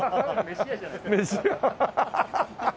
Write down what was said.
飯屋ハハハ。